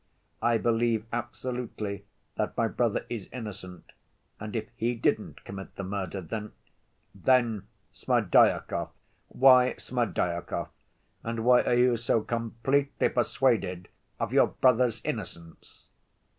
I believe absolutely that my brother is innocent, and if he didn't commit the murder, then—" "Then Smerdyakov? Why Smerdyakov? And why are you so completely persuaded of your brother's innocence?"